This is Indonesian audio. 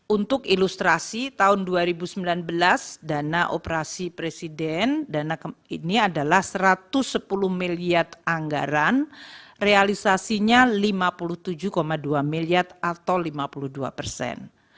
untuk ilustrasi tahun dua ribu sembilan belas dana operasi presiden dana ini adalah satu ratus sepuluh miliar anggaran realisasinya lima puluh tujuh dua miliar atau lima puluh dua persen